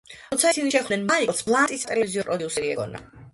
როცა ისინი შეხვდნენ მაიკლს ბლანტი სატელევიზიო პროდიუსერი ეგონა.